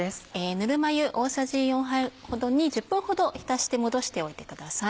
ぬるま湯大さじ４杯ほどに１０分ほど浸してもどしておいてください。